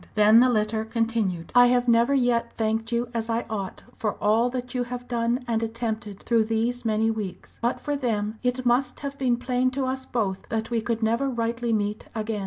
Then the letter continued: "I have never yet thanked you as I ought for all that you have done and attempted through these many weeks. But for them it must have been plain to us both that we could never rightly meet again.